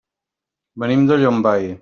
Venim de Llombai.